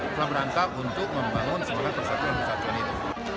kita berantak untuk membangun semangat persatuan persatuan ini